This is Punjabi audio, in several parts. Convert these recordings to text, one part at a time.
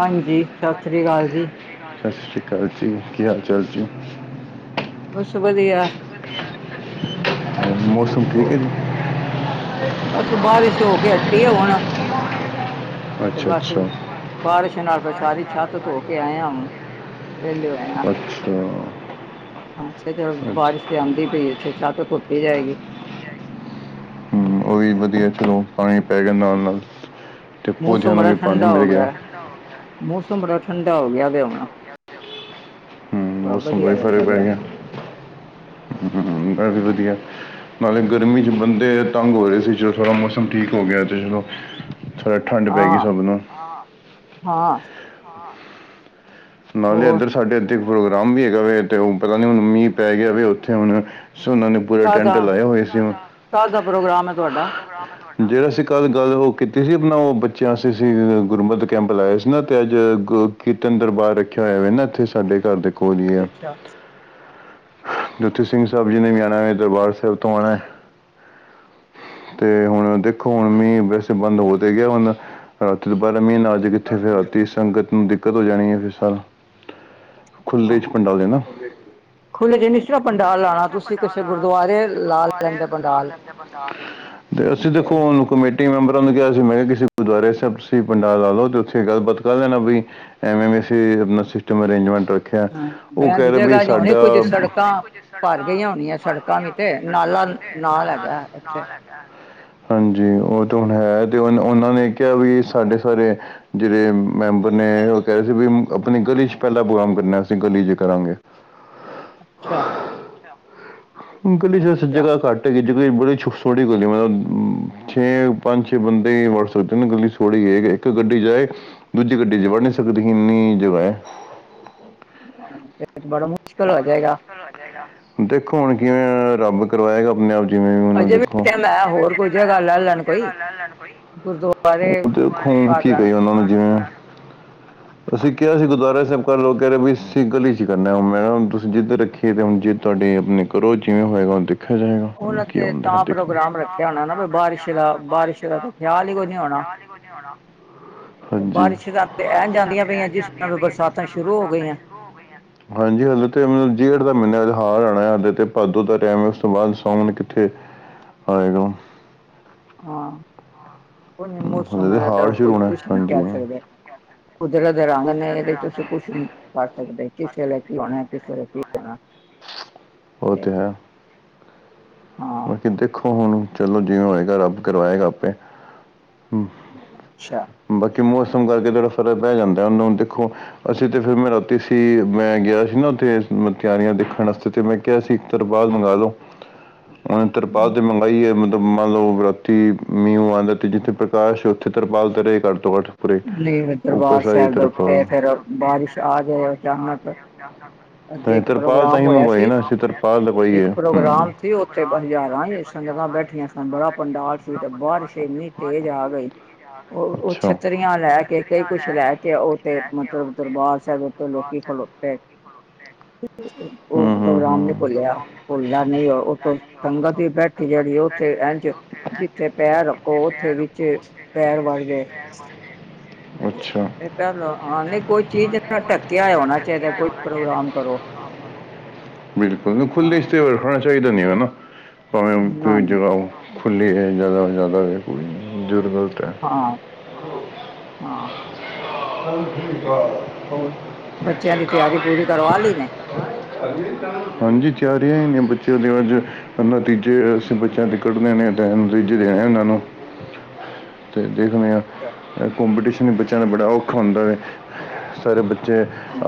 ਹਾਂਜੀ ਸਤਿ ਸ੍ਰੀ ਹਾਂਜੀ ਅਕਾਲ ਜੀ। ਸਤਿ ਸ੍ਰੀ ਅਕਾਲ ਜੀ ਕੀ ਹਾਲ ਚਾਲ ਜੀ। ਬਸ, ਵਧੀਆ ਹਮ। ਮੌਸਮ ਠੀਕ ਹੈ ਜੀ। ਬਸ, ਬਾਰਸ਼ ਹੋ ਕੇ ਹੱਟੀ ਹੈ, ਹੁਣ। ਤੇ, ਅੱਛਾ ਬਸ ਅੱਛਾ ਬਾਰਿਸ਼ ਨਾਲ, ਫੇਰ ਸਾਰੀ ਛੱਤ ਧੋ ਕੇ ਆਏ ਆ ਹੁਣ। ਵਿਹਲੇ ਹੋਏ ਹਾਂ। ਅੱਛਾ ਅੱਛਾ। [unintelligible] ਤੇ ਆਂਦੀ ਪਈ ਛੇ 'ਚ ਤੋਂ ਧੋਤੀ ਜਾਏਗੀ ਹੂੰ, ਉਹ ਵੀ ਵਧੀਆ ਚਲੋ, ਪਾਣੀ ਪੈ ਗਿਆ ਨਾਲ- ਨਾਲ ਤੇ ਪੌਦਿਆਂ ਮੌਸਮ ਨੂੰ ਬੜਾ ਵੀ ਪਾਣੀ ਠੰਡਾ ਮਿਲ ਹੋ ਗਿਆ। ਮੌਸਮ ਬੜਾ ਠੰਡਾ ਹੋ ਗਿਆ ਵੇ ਹੁਣ ਵਧੀਆ ਲੱਗਦਾ ਪਿਆ, ਹਾਂ। [unintelligible] ਨਾਲੇ, ਗਰਮੀ 'ਚ ਬੰਦੇ ਤੰਗ ਹੋ ਰਹੇ ਸੀ, ਚਲੋ, ਥੋੜ੍ਹਾ ਮੌਸਮ ਠੀਕ ਹੋ ਗਿਆ ਤੇ, ਚਲੋ ਥੋੜ੍ਹਾ ਠੰਢ ਪੈ ਗਈ ਹਾਂ, ਸਭ ਨੂੰ ਹਾਂ। ਨਾਲੇ, ਹੋਰ ਇਧਰ ਸਾਡੇ, ਇਥੇ ਪ੍ਰੋਗਰਾਮ ਵੀ ਹੈਗਾ ਵੇ, ਤੇ ਉਹ ਪਤਾ ਨ੍ਹੀ, ਹੁਣ ਮੀਹ ਪੈ ਗਿਆ ਹੋਵੇ ਉਥੇ ਹੁਣ ਸੁਣਨ ਪੂਰਾ ਕਾਹਦਾ, ਟੈਂਟ ਲਾਏ ਹੋਏ ਸੀ। ਕਾਹਦਾ ਪ੍ਰੋਗਰਾਮ ਹੈ, ਤੁਹਾਡਾ? ਜਿਹੜਾ ਅਸੀਂ ਕੱਲ ਗੱਲ ਉਹ ਕੀਤੀ ਸੀ, ਆਪਣਾ ਉਹ ਬੱਚਿਆਂ ਸੀ, ਅਸੀਂ ਗੁਰਮਤਿ ਕੈਂਪ ਲਾਇਆ ਸੀ, ਨਾ ਤੇ ਅੱਜ ਗ ਕੀਰਤਨ ਦਰਬਾਰ ਰੱਖਿਆ ਹੋਇਆ ਵੇ ਨਾ, ਇੱਥੇ ਸਾਡੇ ਘਰ ਦੇ ਕੋਲ ਹੀ ਆ। ਅੱਛਾ, ਉੱਥੇ ਸਿੰਘ ਸਾਹਿਬ ਜੀ ਨੇ ਵੀ, ਆਉਣਾ ਦਰਬਾਰ ਸਾਹਿਬ ਤੋਂ ਆਉਣਾ। ਤੇ, ਹੁਣ ਦੇਖੋ ਹੁਣ, ਮੀਂਹ ਵੈਸੇ ਬੰਦ ਹੋ ਤੇ ਗਿਆ ਹੁਣ ਰਾਤੀ ਦੁਬਾਰਾ ਮੀਂਹ ਨੇ ਆ ਜਾ ਕਿੱਥੇ ਫਿਰ ਰਾਤੀ ਸੰਗਤ ਨੂੰ ਦਿੱਕਤ ਹੋ ਜਾਣੀ ਹੈ ਫਿਰ ਸਾਰਾ ਖੁੱਲੇ 'ਚ ਹਾਂ। ਪੰਡਾਲ ਏ ਨਾ। ਖੁੱਲੇ ਚ ਨੀ ਇਸ ਤਰ੍ਹਾਂ ਖੁੱਲੇ ਪੰਡਾਲ ਜ ਨ ਲਾਣਾ, ਸੀ ਨਾ ਤੁਸੀਂ ਪੰਡਾਲ ਕਿਸੇ ਲਾਉਣਾ ਤੁਸੀਂ ਗੁਰਦੁਆਰੇ ਕਿਸੇ ਲਾ ਗੁਰਦੁਆਰੇ ਲੈਂਦੇ ਲਾ ਪੰਡਾਲ। ਲੈਂਦੇ ਪੰਡਾਲ [inaudible] ਤੇ ਅਸੀਂ ਦੇਖੋ ਹੁਣ ਕਮੇਟੀ ਮੈਂਬਰਾਂ ਨੂੰ ਕਿਹਾ ਸੀ, ਮੈਂ ਕਿਹਾ, ਕਿਸੇ ਗੁਰਦੁਆਰੇ ਸਾਹਿਬ, ਤੁਸੀਂ ਪੰਡਾਲ ਲਾ ਲਓ, ਤੇ ਉੱਥੇ ਗੱਲਬਾਤ ਕਰ ਲੈਣਾ ਵਈ ਐਵੇਂ ਮੇ ਸੇ ਨ ਸਿਸਟਮ ਅਰੇਂਜਮੈਂਟ ਰੱਖਿਆ ਹਾਂ ਉਹ ਬਹਿਣ ਕਹਿ ਦੀ ਰਹੇ ਬੀ ਜਗ੍ਹਾ ਨੀ ਹੋਣੀ ਸਾਡਾ ਕੁੱਝ ਸੜਕਾਂ ਭਰ ਗਈਆਂ, ਹੋਣੀਆਂ ਸੜਕਾਂ ਵੀ ਤੇ, ਨਾਲਾ, ਨਾਲ ਹੈਗਾ ਉਥੇ ਹਾਂਜੀ, ਉਹ ਤਾਂ ਹੁਣ ਹੈ ਤੇ ਉਹ ਉਹਨਾਂ ਨੇ ਕਿਹਾ ਵੀ ਸਾਡੇ ਸਾਰੇ ਜਿਹੜੇ ਮੈਂਬਰ ਨੇ ਉਹ ਕਹਿ ਰਹੇ ਸੀ ਵੀ ਆਪਣੀ ਗਲੀ 'ਚ ਪੈਲਾਂ ਪ੍ਰੋਗਰਾਮ ਕਰਨਾ ਅਸੀਂ ਗਲੀ 'ਚ ਕਰਾਂਗੇ। [inaudible] ਅੱਛਾ ਗਲੀ ਚ, ਵੈਸੇ ਅੱਛਾ ਜਗ੍ਹਾ ਘੱਟ ਹੈਗੀ [unintelligible] ਥੋੜ੍ਹੀ ਗਲੀ ਮਤਲਬ ਛੇ ਪੰਜ ਛੇ ਬੰਦੇ ਹੀ ਵੜ ਸਕਦੇ ਨੇ ਗਲੀ ਸੌੜ੍ਹੀ ਇੱਕ ਗੱਡੀ ਜਾਏ। ਦੂਜੀ ਗੱਡੀ 'ਚ ਵੜ ਨੀ ਸਕਦੀ ਇੰਨੀ ਜਗ੍ਹਾ ਹੈ। ਫੇਰ ਬੜਾ, ਮੁਸ਼ਕਿਲ ਹੋ ਜਾਏਗਾ। ਦੇਖੋ, ਹੁਣ ਕਿਵੇ ਰੱਬ ਕਰਵਾਏਗਾ, ਆਪਣੇ ਆਪ। ਜਿਵੇਂ ਵੀ ਹੁਣ ਅਜੇ ਦੇਖੋ ਟਾਈਮ ਹੈ ਹੋਰ ਕੋਈ ਜਗ੍ਹਾ ਲੈ ਲੈਣ ਕੋਈ ਗੁਰਦੁਆਰੇ [unintelligible] ਦੇਖੋ ਹੁਣ ਕਰ ਕੀ ਲੈਣ ਕਹੀਏ, ਉਹਨਾਂ ਨੂੰ, ਜਿਵੇਂ ਅਸੀਂ ਕਿਹਾ ਸੀ ਗੁਰਦੁਆਰਾ ਸਾਬ੍ਹ ਕਰ ਲੋ ਕਹਿ ਰਹੇ ਵੀ ਅਸੀਂ ਗਲੀ 'ਚ ਕਰਨਾ ਹੁਣ ਮੈਂ ਹੁਣ ਤੁਸੀਂ ਜਿੱਦ ਰੱਖੀਏ ਹੁਣ ਜਿੱਦ ਤੁਹਾਡੇ ਆਪਣੇ ਘਰੋਂ ਜਿਵੇਂ ਹੋਏਗਾ। ਉਹਨਾਂ ਤੇ ਤਾਂ ਪ੍ਰੋਗਰਾਮ ਰੱਖਿਆ ਹੋਣਾ ਨਾ ਵੀ ਬਾਰਿਸ਼ ਦਾ ਬਾਰਿਸ਼ ਦਾ ਤਾਂ [unintelligible] ਬਾਰਿਸ਼ ਖਿਆਲ ਹੀ ਕੋਈ ਨ ਨੀ ਹੋਣਾ ਵਿਆਹ ਕੁ ਜਾਣਾ ਤੇ ਹਾਂਜੀ ਬਾਰਿਸ਼ ਬਾਰਸ਼ ਤਾਂ ਏ ਜਾਂਦੀਆਂ ਪਈਆਂ ਜ ਤਾਂ, ਸ਼ੁਰੂ ਹੋ ਗਈਆਂ। ਹਾਂਜੀ, ਹਲੇ ਤੇ ਜੇਠ ਦਾ ਮਹੀਨਾ ਹੈਗਾ। ਹਾੜ ਆਉਣਾ ਹਜੇ ਤੇ, ਭਾਦੋੰ ਦਾ ਟਾਈਮ ਹੈ। ਉਸ ਤੋਂ ਬਾਅਦ ਸਾਵਨ ਕਿੱਥੇ ਆਏਗਾ? ਹਾਂ, ਕੋਈ ਨਾ ਮੋਸਮ ਹਲੇ ਤੇ ਦਾ, ਹਾੜ ਸ਼ੁਰੂ ਹੋਣਾ ਕੁਝ ਹੈ। ਨਹੀ ਹਾਂਜੀ ਕਹਿ ਸਕਦੇ। ਕੁਦਰਤ ਰੰਗ ਨੇ ਇਦੇ 'ਚ ਅਸੀਂ ਕੁਛ ਨੀ ਕਰ ਸਕਦੇ ਕਿਸੇ ਲੈ ਕੀ ਹੋਣਾ ਕਿਸੇ ਲ ਕੀ ਹੋਣਾ। ਉਹ ਤੇ ਹੈ। ਹਾਂ ਬਾਕੀ ਦੇਖੋ, ਹੁਣ ਚਲੋ ਜਿਵੇ ਹੋਏਗਾ ਰੱਬ ਕਰਵਾਏਗਾ ਆਪੇ ਹ ਅੱਛਾ ਬੱਚੇ ਮੌਸਮ ਕਰਕੇ ਥੋੜਾ ਫਰਕ ਪੈ ਜਾਂਦਾ ਉਹੂੰ ਹੁਣ ਦੇਖੋ। ਅਸੀਂ ਤੇ ਫਿਰ ਮੈਂ ਰਾਤੀ ਸੀ ਮੈਂ ਗਿਆ ਸੀ ਨਾ ਉੱਥੇ ਤਿਆਰੀਆਂ ਦੇਖਣ ਆਸਤੇ ਤੇ ਮੈਂ ਕਿਹਾ ਸੀ ਤਰਪਾਲ ਮੰਗਾ ਲੋੋ ਉਹਨੇ ਤਰਪਾਲ ਤੇ ਮੰਗਾਈ ਹੈ। ਮੰਨ ਲਓ ਰਾਤੀ ਮੀਂਹ ਉਂਹ ਆਉਂਦਾ ਤੇ ਜਿੱਥੇ ਪ੍ਰਕਾਸ਼ ਉੱਥੇ ਤਰਪਾਲ ਤੇ ਰਹੇ ਘੱਟੋ ਤੋਂ ਘੱਟ ਪੂਰੇ ਨਹੀਂ ਫਿਰ ਉੱਪਰ ਦਰਬਾਰ ਸਾਰੀ ਸਾਬ ਦੇ ਤਰਪਾਲ ਉਤੇ ਫਿਰ ਬਾਰਿਸ਼ ਆ ਜਾਏ ਅਚਾਨਕ ਅੱਗੇ ਤਾਂ ਇੱਕ ਤਰਪਾਲ ਤਾਂ ਪ੍ਰੋਗਰਾਮ ਹੀ ਹੋਇਆ ਮੰਗਵਾਈ ਸੀ ਨਾ ਅਸੀ ਤਰਪਾਲ ਲਗਵਾਈਏ ਇੱਕ ਹੂੰ ਪ੍ਰੋਗਰਾਮ ਸੀ ਉੱਥੇ ਹਜ਼ਾਰਾਂ ਸੰਗਤਾਂ ਬੈਠੀਆਂ ਸਨ ਬੜਾ ਪੰਡਾਲ ਸੀ ਤੇ ਬਾਰਿਸ਼ ਇੰਨੀ ਤੇਜ਼ ਆ ਗਈ। ਉਹ -ਉਹ ਅੱਛਾ ਛੱਤਰੀਆਂ ਲੈ ਕੇ ਕਈ ਕੁਛ ਲੈ ਕੇ ਉਹ ਤੇ ਮਤਲਬ ਦਰਬਾਰ ਸਾਹਿਬ ਲੋਕੀ ਖਲੋਤੇ [unintelligible] ਉਹ ਹੂੰ ਹੂੰ ਪ੍ਰੋਗਰਾਮ ਨੀ ਹੂੰ ਭੁੱਲਿਆ, ਭੁੱਲਦਾ ਨਹੀ ਉਹ। ਉਥੋਂ ਸੰਗਤ ਦੀ ਬੈਠੀ ਜਿਹੜੀ ਉੱਥੇ ਇੰਜ ਜਿੱਥੇ ਪੈਰ ਰੱਖੋ ਉੱਥੇ ਵੀ ਫਿਰ ਪੈਰ ਵੜ ਗੇ। ਅਛਾ ਹਾਂ ਨਹੀਂ ਕੋਈ ਚੀਜ਼ ਨਾ ਢੱਕਿਆ ਹੋਣਾ ਚਾਹੀਦਾ ਕੋਈ ਪ੍ਰੋਗਰਾਮ ਕਰੋ [unintelligible] ਬਿਲਕੁਲ ਹਾਂ ਖੁੱਲਦੇ [unintelligible] ਸੀ ਤੇ ਬ ਰਸਤਾ ਚਾਹੀਦਾ ਨਹੀ ਹੈ। ਨਾ ਭਾਵੇ ਕੋਈ ਨਾ ਨਾ ਜਗਾ ਖੁਲੀ ਹੈ। ਜਿਆਦਾ ਤੋ ਜਿਆਦਾ। ਜੁਰਬਲਤ ਹੈ ਹਾਂ [unintelligible] ਹਾਂ [inaudible] ਹੋਰ ਬੱਚਿਆਂ ਦੀ ਤਿਆਰੀ ਪੂਰੀ ਕਰਵਾ ਲਈ ਨੇ। [inaudible] ਹਾਂਜੀ ਚਾਰ ਨੇ ਬੱ ਉਹਦੇ ਅਜ ਨਤੀਜੇ ਅਸੀਂ ਬੱਚਿਆਂ ਤੇ ਕੱਢਣੇ ਨੇ ਤੇ ਨਤੀਜੇ ਦੇਣੇ ਉਹਨਾਂ ਨੂੰ ਹ [unintelligible] ਤੇ ਦੇਖਦੇ ਹਾਂ ਕੋਂਪੀਟੀਸ਼ਨ ਬੱਚਿਆਂ ਦਾ ਬੜਾ ਔਖਾ ਹੋਦਾ ਵੇ ਸਾਰੇ ਬੱਚੇ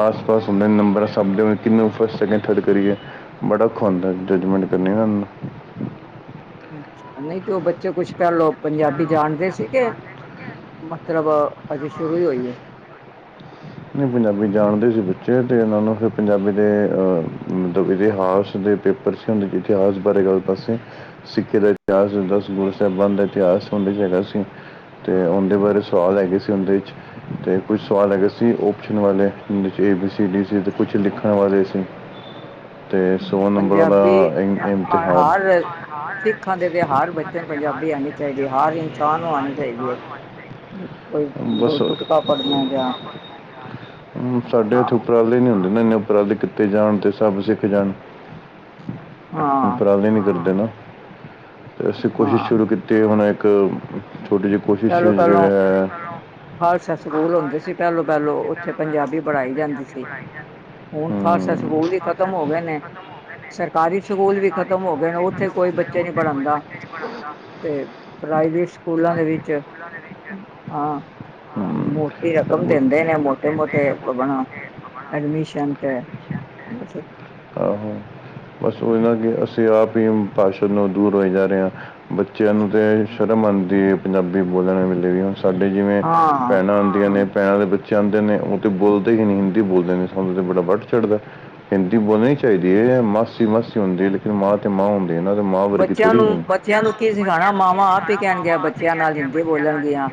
ਆਸ-ਪਾਸ ਹੁੰਦੇ ਨੇ ਨੰਬਰਾਂ ਸਭ ਦੇ ਕਿੰਨੇ ਫਸਟ ਸੈਕਿੰਡ ਥਰਡ ਕਰੀਏ ਬੜਾ ਔਖਾ ਹੂੰਦਾ ਜਜਮੈਂਟ ਕਰਨੀ [unintelligible] ਅੱਛਾ, ਨਹੀ ਤੇ ਉਹ ਬੱਚੇ ਕੁਛ ਪਹਿਲਓ ਪੰਜਾਬੀ ਜਾਣਦੇ ਸੀ ਗੇ। ਮਤਲਬ ਅਜੇ ਸ਼ੁਰੂ ਈ ਹੋਈ ਹੈ। ਨਹੀਂ, ਪੰਜਾਬੀ ਜਾਣਦੇ ਸੀ ਬੱਚੇ ਅਤੇ ਇਹਨਾਂ ਨੂੰ ਫੇਰ ਪੰਜਾਬੀ ਦੇ ਅ ਮਤਲਬ ਇਤਿਹਾਸ ਦੇ ਪੇਪਰ ਸੀ ਹੁੰਦੇ ਇਤਿਹਾਸ ਬਾਰੇ ਗੱਲ ਦੱਸੇ। ਸਿੱਖ ਕੇ ਦਾ ਇਤਿਹਾਸ ਦ ਗੁਰੂ ਸਾਹਿਬਾਂ ਦਾ ਇਤਿਹਾਸ ਉਂਦੇ ਹੈਗਾ ਸੀ। ਉਹਦੇ ਬਾਰੇ ਸਵਾਲ ਹੈਗੇ ਸੀ। ਉਹਦੇ 'ਚ ਤੇ ਕੁਛ ਸਵਾਲ ਹੈਗੇਏ ਸੀ। ਸੀ, ਓਪਸ਼ਨ ਵਾਲੇ ਜਦੇ ਏ- ਬੀ- ਸੀ- ਡੀ- ਸੀ ਤੇ ਕੁਛ ਲਿਖਣ ਵਾਲੇ ਸੀ। ਤੇ ਨੰਬਰਾਂ ਪੰਜਾਬੀ ਦਾ ਇਮ- ਇਮਤਿਹਾਨ [unintelligible] ਸਿੱਖਾਂ ਦੇ ਤੇ ਹਰ ਬੱਚੇ ਨੂੰ ਪੰਜਾਬੀ ਆਂਣੀ ਚਾਈਦੀ ਹੈ ਹਰ ਇਨਸਾਨ ਨੂੰ ਆਂਣੀ ਚਾਈਦੀ ਹੈ। ਕੋਈ ਗੁਰ ਬਸ ਗੁਟਕਾ ਪੜਨਾ ਜਾਂ [inaudible] ਸਾਡੇ ਹਾਂ ਇੱਥੇ ਉਪਰ ਨੀ ਹੁੰਦੇ ਇਨੇ ਉਪਰ ਵਾਲੇ ਕੀਥੇ ਜਾਣ ਤੇ ਸਭ ਸਿੱਖ ਜਾਣ ਹਾਂ [unintelligible] ਤੇ ਅਸੀਂ ਕੋਸ਼ਿਸ਼ ਹਾਂ ਸ਼ੁਰੂ ਕੀਤੀ ਹੁਣ ਇਕ ਛੋਟੀ ਜਿਹੀ। ਕੋਸ਼ਿਸ਼ ਜਿਹੜਾ ਪੈਲੋਂ-ਪੈਲੋਂ ਹੈ ਖਾਲਸਾ ਸਕੂਲ ਹੁੰਦੇ ਸੀ ਪੈਲੋ-ਪੈਲੋ ਉਥੇ ਪੰਜਾਬੀ ਪੜਾਈ ਜਾਦੀ ਸੀ। ਹੁਣ ਖਾਲਸਾ ਹਮ, ਸਕੂਲ ਹੀ ਖ਼ਤਮ ਹੋ ਗਏ ਨੇ ਸਰਕਾਰੀ ਸਕੂਲ ਵੀ ਖਤਮ ਹੋ ਗਏ ਨੇ ਉੱਥੇ ਕੋਈ ਬੱਚੇ ਨਹੀ ਪੜ੍ਹਾਉਦਾ। ਤੇ ਪ੍ਰਾਈਵੇਟ ਸਕੂਲਾਂ ਦੇ ਵਿਚ ਹਾਂ ਮੋਟੀ ਰਕਮ ਦਿੰਦੇ ਨੇ ਮੋਟੇ [unintelligible] ਐਡਮੀਸ਼ਨ ਤੇ ਆਹੋ, ਬਸ ਉਹ ਨਾ ਕਿ ਅਸੀਂ ਆਪ ਹੀ [unintelligible] ਦੂਰ ਹੋਏ ਜਾ ਰਹੇ ਹਾਂ। ਬੱਚਿਆਂ ਨੂੰ ਤੇ ਸ਼ਰਮ ਆਉਦੀ ਹੈ। ਪੰਜਾਬੀ ਬੋਲਣ ਵੇਲੇ ਵੀ ਸਾਡੇ ਜਿਵੇਂ ਹਾਂ ਭੈਣਾਂ ਆਂਦੀਆਂ ਨੇ ਪੈਰਾ ਦੇ ਵਿੱਚ ਚਾਹੁੰਦੇ ਨੇ ਉਹ ਤੇ ਬੋਲਦੇ ਹੀ ਨਹੀਂ ਹਿੰਦੀ ਬੋਲਦੇ ਨੇ ਸਾਨੂੰ ਬੜਾ ਵੱਟ ਚੜਦਾ। ਬੋਲਣੀ ਚਾਹੀਦੀ ਹੈ। ਮਾਸੀ- ਮਾਸੀ ਹੁੰਦੀ ਲੇਕਿਨ ਮਾਂ ਤੇ ਮਾਂ ਹੁੰਦੀ। ਹੈ ਨਾ ਤੇ ਮਾਂ ਵਰਗੀ ਬੱਚਿਆਂ ਥੋੜੀ ਨੂੰ ਹੈ ਬੱਚਿਆਂ ਨੂੰ ਕੀ ਸਿਖਾਉਣਾ ਮਾਵਾਂ ਆਪ ਹੀ ਕਹਿਣ ਗਿਆ ਬੱਚਿਆਂ ਨਾਲ ਹਿੰਦੀ ਬੋਲਣਗੀਆਂ।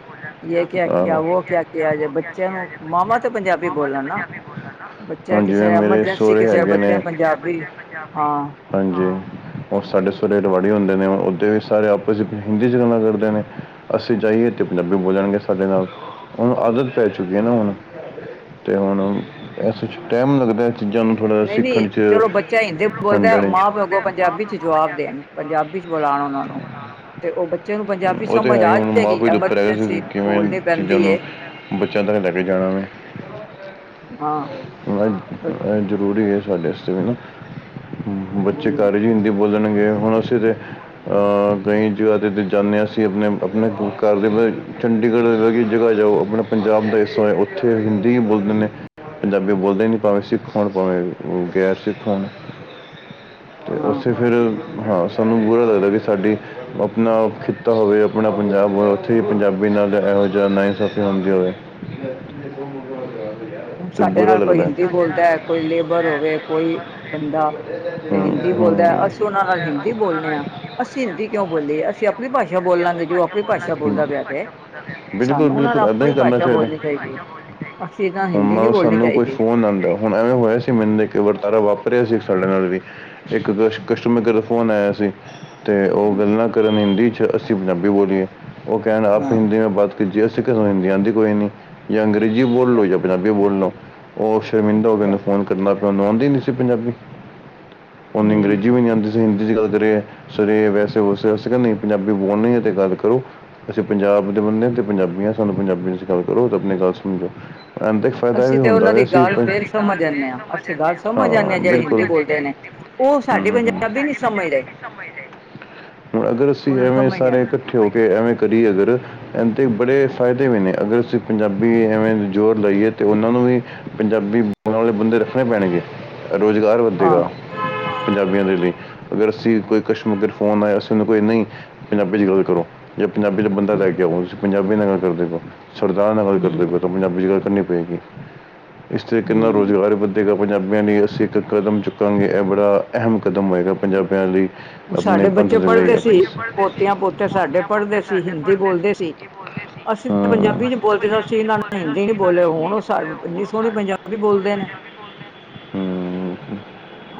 ਯ ਕਿਆ ਕਿਆ ਆਹੋ ਵੋ ਕਿਆ ਕੇ ਜੇ ਬੱਚਿਆਂ ਨੂੰ ਮਾਵਾ ਤਾਂ ਪੰਜਾਬੀ ਬੋਲਣ ਨਾ ਬੱਚਾ ਹੁਣ ਜਿਵੇਂ ਕਿਸੇ ਮੇਰੇ ਐਮਰਜੈਂਸੀ ਸਹੁਰੇ ਕਿਸੇ ਹੈਗੇ ਨੇ ਬੱਚੇ ਪੰਜਾਬੀ ਹਾਂ। ਹਾਂਜੀ, ਉਹ ਸਾਡੇ ਸੁਹਰੇ ਰਵਾੜੀ ਹੁੰਦੇ ਨੇ ਉਓਦੇ ਵੀ ਸਾਰੇ ਆਪਸ ਹਿੰਦੀ ਚ ਗੱਲਾਂ ਕਰਦੇ ਨੇ। ਅਸੀਂ ਜਾਈਏ ਤੇ ਪੰਜਾਬੀ ਬੋਲਣਗੇ ਸਾਡੇ ਨਾਲ ਉਹਣੂੰ ਆਦਤ ਪੈ ਚੁੱਕੀ ਹੈ ਨਾ ਹੁਣ ਤੇ ਹੁਣ ਇਸ ਟਾਈਮ ਲੱਗਦਾ ਚੀਜ਼ਾਂ ਨੂੰ ਥੋੜ੍ਹਾ ਨਹੀਂ, ਨਹੀਂ ਚਲੋ ਬੱਚਾ ਹਿੰਦੀ ਬੋਲਦਾ ਚ ਮਾਂ-ਪਿਓ ਅਗੋਂ ਪੰਜਾਬੀ ਚ ਜਵਾਬ ਦੇਣ। ਪੰਜਾਬੀ ਚ ਬੋਲਾਉਣ ਉਹਨਾਂ ਨੂੰ। ਤੇ ਉਹ ਬੱਚੇ ਨੂੰ ਪੰਜਾਬੀ ਉਹ ਤੇ ਸਮਝ ਹੈ ਹੀ ਆ ਹੁਣ ਮਾਂ ਜਾਏਗੀ ਪਿਓ ਦੇ ਉੱਪਰ ਹੈਗਾ ਸੀ ਐਮਰਜੈਂਸੀ ਕਿ ਕਿਵੇਂ ਬੋਲਣੀ ਚੀਜ਼ਾਂ ਪੈਂਦੀ। ਨੂੰ ਬੱਚਿਆਂ ਤੱਕ ਲੈ ਕੇ ਜਾਣਾ ਹਾਂ ਵੈਂ ਹਮ ਇਹ ਜ਼ਰੂਰੀ ਹੈ। ਸਾਡੇ ਤੇ ਵੀ ਬੱਚੇ ਘਰ ਚ ਹਿੰਦੀ ਬੋਲਣਗੇ ਹੁਣ ਅਸੀਂ ਤੇ ਕਈ ਜਗ੍ਹਾ ਤੇ ਜਾਂਦੇ ਹਾਂ ਅਸੀਂ ਆਪਣੇ ਆਪਣੇ ਘਰ ਦੇ ਚੰਡੀਗੜ੍ਹ ਜਗ੍ਹਾ ਜਾਓ। ਆਪਣਾ ਪੰਜਾਬ ਦਾ ਹਿੱਸਾ ਹੈ। ਉੱਥੇ ਹਿੰਦੀ ਹੀ ਬੋਲਦੇ ਨੇ ਪੰਜਾਬੀ ਬੋਲਦੇ ਹੀ ਨਹੀਂ ਪਾਵੇਂ ਸਿੱਖ ਹੋਣ ਉਹ ਗਿਆ ਸੀਂਖੋਂ ਅਤੇ ਹਾਂ ਉੱਥੇ ਫਿਰ, ਹਾਂ ਸਾਨੂੰ ਬੁਰਾ ਲੱਗਦਾ ਕਿ ਸਾਡੀ ਆਪਣਾ ਖਿੱਤਾ ਹੋਵੇ ਆਪਣਾ ਪੰਜਾਬ ਉੱਥੀ ਪੰਜਾਬੀ ਨਾਲ ਇਹੋ ਜਿਹਾ ਨਾਇਸਾਫ਼ੀ ਹੁੰਦੀ ਹੋਵੇ। ਹੁਣ ਅਤੇ ਸਾਡੇ ਬੁਰਾ ਨਾਲ ਕੋਈ ਲੱਗਦਾ ਹਿੰਦੀ ਬੋਲਦਾ ਹੈ ਕੋਈ ਲੇਬਰ ਹੋਵੇ ਕੋਈ ਬੰਦਾ। ਤੇ ਹਿੰਦੀ ਹੂੰ ਹੂੰ ਬੋਲਦਾ ਅਸੀਂ ਬੋਲਿਆ ਉਹਨਾਂ ਨਾਲ ਹਿੰਦੀ ਬੋਲਦੇ ਹਾਂ ਅਸੀਂ ਹਿੰਦੀ ਕਿਉਂ ਬੋਲੀਏ ਅਸੀਂ ਆਪਣੀ ਭਾਸ਼ਾ ਬੋਲਾਂਗੇ ਜੋ ਆਪਣੀ ਭਾਸ਼ਾ ਬੋਲਦਾ ਪਿਆ ਤੇ ਬਿਲਕੁਲ ਸਾਨੂੰ ਉਹਨਾਂ ਨਾਲ ਬਿਲਕੁਲ ਐਦਾਂ ਆਪਣੀ ਹੀ ਭਾਸ਼ਾ ਬੋਲਣੀ ਅਸੀ ਗ [unintelligible] ਮਾਂ ਸਾਨੂੰ ਕੋਈ ਫੋਨ ਹੁਣ ਐਵੇਂ ਹੋਇਆ ਸੀ ਮੈਨੂੰ ਇੱਕ ਵਰਤਾਰਾ ਵਾਪਰਿਆ ਸੀ ਸਾਡੇ ਨਾਲ ਵੀ। ਇੱਕ ਕ ਕਸਟਮਰ ਕੇਰ ਦਾ ਫੋਨ ਆਏਆ ਸੀ, ਤੇ ਓ ਗੱਲਾਂ ਕਰਨ ਹਿੰਦੀ ਚ ਅਸੀ ਪੰਜਾਬੀ ਬੋਲੀਏ, ਓ ਕੈਣ ਆਪ ਤੋ ਹਾਂ ਹਿੰਦੀ ਮੇ ਬਾਤ ਕੀਜੀਏ ਅਸੀ ਕੇਆ ਸਾਨੁੰ ਹਿੰਦੀ ਆਂਦੀ ਕੋਈ ਨੀ ਜੇ ਅੰਗ ਹਿੰਦੀ ਬੋਲ ਲੋ ਯਾ ਪੰਜਾਬੀ ਬੋਲ ਲੋ, ਓ ਸ਼ਰਮਿੰਦਾ ਹੋਗੇ ਨ ਅੱਛਾ ਫੋਨ ਕ [unintelligible] ਓਨੂੰ ਆਊਦੀ ਨੀ ਸੀ ਪੰਜਾਬੀ, ਓਨੂੰ ਹਮ ਅੰਗਰੇਜੀ ਵੀ ਨੀ ਆਉਂਦੀ ਸੀ ਸੀ ਹਿੰਦੀ ਚ ਗੱਲ ਕਰੀਏ, ਸਰ ਵੈਸੇ ਵੂਸੇ ਅਸੀਂ ਕੇਆ ਨਈ ਪੰਜਾਬੀ ਬੋਲਨੀ ਐ ਤੇ ਗੱਲ ਕਰੋ ਅਸੀਂ ਪੰਜਾਬ ਦੇ ਬੰਦੇ ਆ, ਤੇ ਪੰਜਾਬੀ ਆਂ ਸਾਨੂੰ ਪੰਜਾਬੀ ਚ ਗੱਲ ਕਰੋ ਤੇ ਆਪਣੀ ਗੱਲ ਸਮਝੋ ਐ ਫੈਦਾ ਐ ਅਸੀਂ ਵੀ ਤੇ ਹੂੰਦਾ ਉਹਨਾਂ ਵੇ ਦੀ ਅਸੀ, ਗੱਲ ਫੇਰ ਸਮਝ ਜਾਂਦੇ ਹਾਂ ਅਸੀਂ ਗੱਲ ਸਮਝ ਜਾਂਦੇ ਹਾਂ ਜਿਹੜੇ ਬਿਲਕੁਲ। ਹਿੰਦੀ ਬੋਲਦੇ ਨੇ ਉਹ ਹੂੰ, ਸਾਡੀ ਹੂੰ, ਪੰਜਾਬੀ ਨਹੀਂ ਸਮਝਦੇ ਹੂੰ ਅਗਰ ਅਸੀਂ ਉਹਨਾਂ ਨੂੰ ਐਵੇਂ ਸਮਝ ਨਹੀਂ ਸਾਰੇ ਏਕ ਆਉਂਦੀ ਕੇਓਂ ਕੇ ਐਵੇਂ ਕਰੀਏ ਅਗਰ ਐਂਦੇ ਬੜੇ ਫਾਇਦੇ ਵੇ ਨੇ, ਅਗਰ ਅਸੀਂ ਪੰਜਾਬੀ ਐਵੇਂ ਜੋਰ ਲਾਈਏ ਤੇ ਓਨਾਂ ਨੂੰ ਵੀ ਪੰਜਾਬੀ ਹੁਣ ਆਪਣੇ ਵਾਲੇ ਬੰਦੇ ਰੱਖਣੇ ਪੈਣਗੇ ਰੁਜ਼ਗਾਰ ਹਾਂ ਵੱਧੇਗਾ। ਪੰਜਾਬੀਆਂ ਦੇ ਲਈ, ਅਗਰ ਅਸੀਂ ਕੋਈ ਕਸ਼ਮਗਰ ਫੋਨ ਆਏਆ ਅਸੀ ਓਨੂੰ ਕਈਏ ਨਈ ਪੰਜਾਬੀ ਚ ਗੱਲ ਕਰੋ। ਜੇ ਪੰਜਾਬੀ ਚ ਬੰਦਾ ਹਮ ਲੈ ਕੇ ਆਓ ਹੁਨ ਤੁਸੀ ਪੰਜਾਬੀ ਨਾਲ ਕਰਦੇ ਪੇਓ, ਸਰਦਾਰ ਨਾਲ ਗਲ ਕਰ ਦੇ ਹਮ ਪੇਓ ਪੰਜਾਬੀ ਚ ਗੱਲ ਕਰਨੀ ਪਏਗੀ, ਇਸ ਤਰੀਕੇ ਨਾਲ ਹਮ ਰੋਜਗਾਰ ਵ ਪੰਜਾਬੀਆਂ ਲਈ ਅਸੀਂ ਇੱਕ ਕਦਮ ਚੁੱਕਾਂਗੇ ਐ ਬੜਾ, ਐਹਮ ਕਦਮ ਹੋਏਗਾ ਪੰਜਾਬੀਆਂ ਲਈ ਹੁਣ ਆਪਣੇ ਸਾਡੇ ਪੰਥ ਬੱਚੇ ਦੇ ਲਈ ਪੜਦੇ ਸਾਡੇ ਆਪਣੇ ਸੀ, ਪੋਤੀਆਂ-ਪੋਤੇ ਸਾਡੇ ਪੜਦੇ ਸੀ ਹਿੰਦੀ ਬੋਲਦੇ ਸੀ। ਅਸੀਂ ਤਾਂ ਹਾਂ ਪੰਜਾਬੀ ਚ ਬੋਲਦੇ ਅਸੀਂ ਇਨਾਂ ਨਾਲ ਹਿੰਦੀ ਨੀ ਬੋਲੇ, ਹੋਣ ਸਾ ਇੰਨੀ ਸੋਣੀ ਪੰਜਾਬੀ ਬੋਲਦੇ ਨੇ। [inaudible] ਹਮ,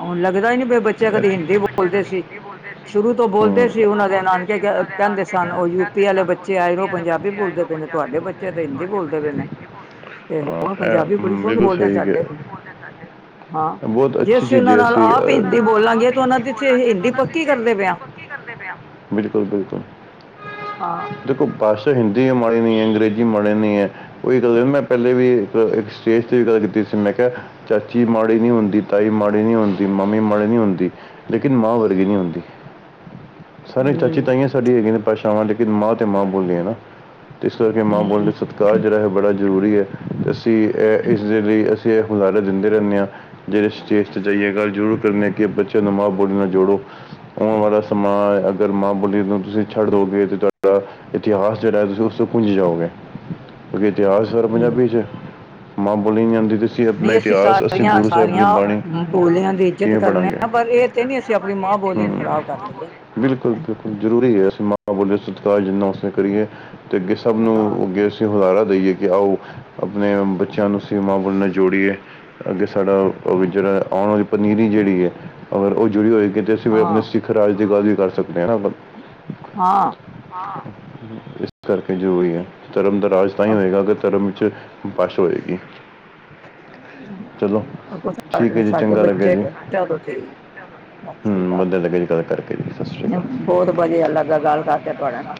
ਹੋਨ ਲੱਗਦਾ ਈ ਨੀ ਬਈ ਬੱਚੇ ਕਦੇ ਹਿੰਦੀ ਬੋਲਦੇ ਸੀ। ਸ਼ੁਰੂ ਤੋਂ ਬੋਲਦੇ ਹੂੰ ਸੀ ਓਨਾਂ ਦੇ ਨਾਨਕੇ ਕ, ਕੈਂਦੇ ਸਨ ਓ ਯੂਪੀ ਵਾਲੇ ਬੱਚੇ ਆਏ ਓ ਪੰਜਾਬੀ ਬੋਲਦੇ ਤੁਹਾਡੇ ਬੱਚੇ ਤੇ ਹਿੰਦੀ ਬੋਲਦੇ ਪੇ ਨੇ, ਤੇ ਹੁਣ ਹਾਂ, ਪੰਜਾਬੀ ਇਹ ਬੜੀ ਹਮ, ਸੋਣੀ ਬਿਲਕੁਲ ਬੋਲਦੇ ਸਹੀ ਕਿ ਸਾਡੇ ਵੀ। ਹਾਂ, ਬਹੁਤ ਜੇ ਅੱਛੀ ਅਸੀਂ ਚੀਜ਼ ਓਨਾਂ ਹੈ ਨਾਲ ਜੇ ਅ, ਆਪ ਈ ਹਿੰਦੀ ਬੋਲਾਂਗੇ ਤੇ ਓਨਾਂ ਤੇ ਹਿੰਦੀ ਪ ਬਿਲਕੁਲ-ਬਿਲਕੁਲ। ਹਾਂ ਦੇਖੋ ਬਾਸ ਹਿੰਦੀ ਏ ਮਾੜੀ ਨਈ ਐ, ਅੰਗਰੇਜ਼ੀ ਮਾੜੇ ਨਈ ਐ ਓਈ ਗੱਲ ਮੈਂ ਪੈਲੇ ਵੀ ਅ, ਏਕ ਸਟੇਜ ਤੇ ਵੀ ਗੱਲ ਕੀਤੀ ਸੀ ਮੈ ਕੇਆ ਚਾਚੀ ਮਾੜੀ ਨੀ ਹੁੰਦੀ, ਤਾਈ ਮਾੜੀ ਨੀ ਹੁੰਦੀ, ਮੰਮੀ ਮਾੜੀ ਨੀ ਹੁੰਦੀ ਲੇਕਿਨ ਮਾਂ ਵਰਗੀ ਨਈ ਹੁੰਦੀ। ਸਾਰੇ ਚਾਚੀ, ਹਮ ਤਾਂਈਆ ਸਾਡੀਆ ਹੈਗੀਆ ਨੇ ਭਾਸ਼ਾਵਾਂ ਲੇਕਿਨ ਮਾਂ ਤੇ ਮਾਂ ਬੋਲੀ ਹੈ ਨਾ। ਤੇ ਇਸ ਕਰਕੇ ਮਾਂ ਬੋਲੀ ਹਮ ਸਤਕਾਰ ਜੇੜਾ ਐ ਬੜਾ ਜਰੂਰੀ ਐ, ਅਸੀਂ ਐ ਇਸ ਦੇ ਲਈ ਅਸੀ ਏ ਗੂਜਾਰ ਦਿੰਦੇ ਰੈਂਨੇ ਆਂ ਜੇੜੇ ਸਟੇਜ ਤੇ ਜਾਈਏ ਗੱਲ ਜ਼ਰੂਰ ਕਰਨੇ ਕੇ ਬੱਚੇਆਂ ਨੂੰ ਮਾਂ ਬੋਲੀ ਨਾਲ ਜੋੜੋ ਆਉਣ ਵਾਲਾ ਸਮਾਂ, ਅਗਰ ਮਾਂ ਬੋਲੀ ਨੂੰ ਤੁਸੀਂ ਛੱਡ ਦੋਗੇ ਤੇ ਤੁਆਡਾ ਇਤਿਹਾਸ ਜੇੜਾ ਏ ਤੁਸੀਂ ਓਸ ਤੋਂ ਕੁੰਜ ਜਾਓਗੇ। ਕੇਓ ਕੀ ਇਤਿਹਾਸ ਸਰ ਹਮ ਪੰਜਾਬੀ ਚ ਏ, ਮਾਂ ਬੋਲੀ ਨੀ ਜਾਂਦੀ ਤੇ ਸੀ ਨਈ ਅਸੀਂ ਸਾਰੀਆਂ-ਸਾਰੀਆਂ, ਬੋਲਿਆਂ ਦੀ ਇੱਜਤ ਕਿਵੇਂ ਕਰਨੇ ਪੜਾਂਗੇ ਆ ਪਰ ਏ ਤੇ ਨਈ ਅਸੀ ਆਪਣੀ ਮਾਂ ਬੋਲੀ ਨੂੰ ਖਰਾਬ ਕਾਰ ਲਈਏ। ਬਿਲਕੁਲ-ਬਿਲਕੁਲ, ਜਰੂਰੀ ਏ ਅਸੀਂ ਮਾਂ ਬੋਲੀ ਦਾ ਸਤਕਾਰ ਜਿੰਨਾ ਹੋ ਸਕੇ ਕਰੀਂਏ। ਤੇ ਅੱਗੇ ਸਬ ਨੂੰ ਹਾਂ ਅੱਗੇ ਅਸੀਂ ਹੂਲਾਰਾ ਦੇਈਏ ਕੇ ਆਓ ਅਪਨੇ ਬੱਚੇਆਂ ਨੂੰ ਅਸੀੇ ਮਾਂ ਬੋਲੀ ਨਾ ਜੋੜੀਏ। ਅੱਗੇ ਸਾਡਾ ਅ ਵੀ ਜੇੜਾ ਆਉਣ ਵਾਲੀ ਪਨੀਂਰੀ ਜੇੜੀ ਏ, ਅਗਰ ਓ ਜੁੜੀ ਹੋਏਗੀ ਤੇ ਅਸੀਂ ਫੇਰ ਅਪਨੇ ਹਾਂ ਸਿ ਰਾਜ ਦੀ ਗੱਲ ਵੀ ਕਰ ਸਕਨੇ ਆ [unintelligible] ਹਾਂ। ਇਸ ਕਰਕੇ ਜਰੂਰੀ ਐ, ਧਰਮ ਦਾ ਰਾਜ ਤਾਂ ਈ ਹੋਏਗਾ ਅਗਰ ਧਰਮ ਵਿੱਚ [unintelligible] ਹੋਏਗੀ ਚਲੋ ਅੱਗੋ ਠੀਕ ਹੈ ਜੀ ਸਾਡੇ ਚੰਗਾ ਲੱਗਿਆ ਬੱਚੇ ਜੀ [unintelligible] ਹੂੰ, ਵਦੀਆ ਲੱਗੇਆ ਜੀ ਗਾੱਲ ਕਰਕੇ ਸਸਰੇ ਆ ਕਾਲ। ਬੋਤ ਬਦੀਆ ਲੱਗਾ ਗਾੱਲ ਕਰਕੇ ਤੁਆੜੇ ਨਾਲ।